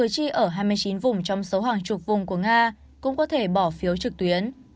chi ở hai mươi chín vùng trong số hàng chục vùng của nga cũng có thể bỏ phiếu trực tuyến